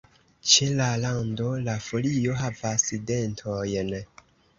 Ĉe la rando la folio havas dentojn.